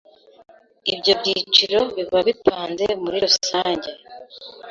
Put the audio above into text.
ibyo byiciro biba bipanze muri rusange